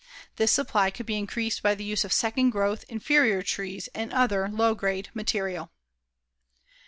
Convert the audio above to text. This supply could be increased by the use of second growth, inferior trees and other low grade material.